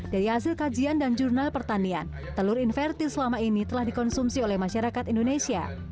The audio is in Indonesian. dari hasil kajian dan jurnal pertanian telur invertil selama ini telah dikonsumsi oleh masyarakat indonesia